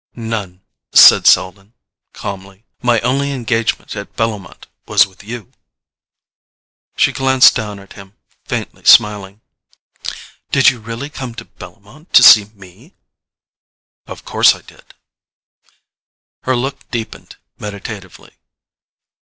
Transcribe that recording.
"None," said Selden calmly. "My only engagement at Bellomont was with you." She glanced down at him, faintly smiling. "Did you really come to Bellomont to see me?" "Of course I did." Her look deepened meditatively.